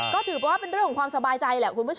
ก็ถือว่าเป็นเรื่องของความสบายใจแหละคุณผู้ชม